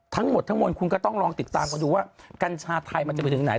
ทั้งหมดทั้งมวลคุณก็ต้องลองติดตามกันดูว่ากัญชาไทยมันจะไปถึงไหน